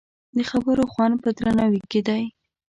د خبرو خوند په درناوي کې دی